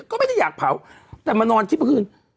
ก็ไม่ได้อยากเผาแต่มานอนคิดเมื่อคืน